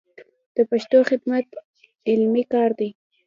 د پښتو خدمت علمي کار دی.